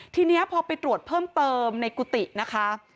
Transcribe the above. ทีนี้พอไปตรวจเพิ่มเติมในกุฏินะคะ